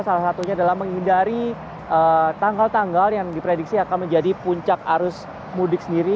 salah satunya adalah menghindari tanggal tanggal yang diprediksi akan menjadi puncak arus mudik sendiri